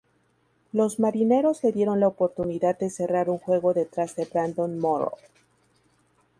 Los Marineros le dieron la oportunidad de cerrar un juego detrás de Brandon Morrow.